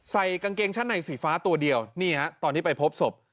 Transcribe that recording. ใส่กางเกงชั้นในสีฟ้าตัวเดียวนี่ฮะตอนที่ไปพบศพ